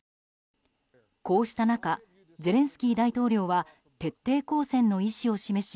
こうした中ゼレンスキー大統領は徹底抗戦の意思を示し